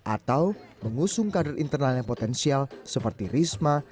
atau mengusung kader internal yang potensial seperti risma